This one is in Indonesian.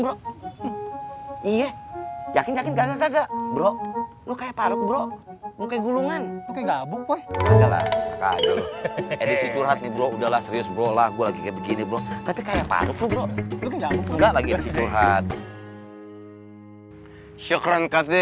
bro iya yakin kagak kagak bro lu kayak paruk bro lu kayak gulungan lu kayak gabuk weh enggak